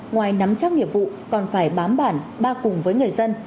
ngoài nắm chắc nghiệp vụ còn phải bám bản ba cùng với người dân